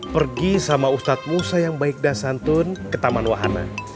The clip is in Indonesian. pergi sama ustaz musa yang baik dasantun ke taman wahana